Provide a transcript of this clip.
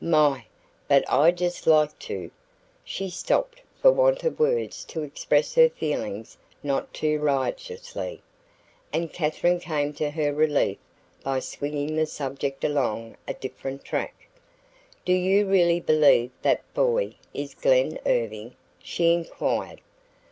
"My, but I just like to " She stopped for want of words to express her feelings not too riotously, and Katherine came to her relief by swinging the subject along a different track. "Do you really believe that boy is Glen Irving?" she inquired.